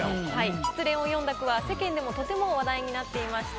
失恋を詠んだ句は世間でもとても話題になっていました。